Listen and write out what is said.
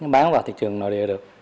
bán vào thị trường nội địa được